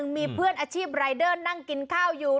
มีเพื่อนอาชีพรายเดอร์นั่งกินข้าวอยู่